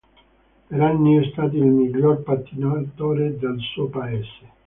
Per anni è stato il miglior pattinatore del suo Paese.